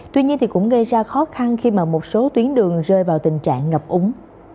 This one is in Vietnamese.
tuy nhiên cũng gây ra khó khăn khi một số tuyến đường rơi vào tình trạng ngập úng